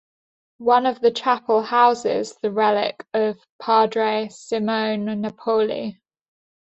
One of the chapels houses the relics of Padre Simone Napoli.